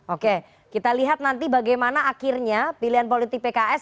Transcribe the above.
oke kita lihat nanti bagaimana akhirnya pilihan politik pks